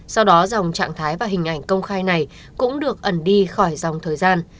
sau đó dòng trạng thái và hình ảnh công khai này cũng được ẩn đi khỏi dòng thời gian